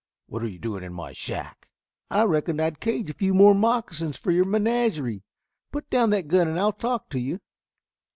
"What are you doing in my shack?" "I reckoned I'd cage a few more moccasins for your menagerie. Put down that gun and I'll talk to you."